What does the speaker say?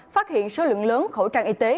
phát hiện số lượng lớn khẩu trang y tế